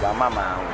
jauh mama mau